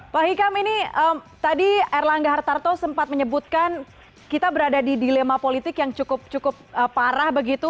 pak hikam ini tadi erlangga hartarto sempat menyebutkan kita berada di dilema politik yang cukup cukup parah begitu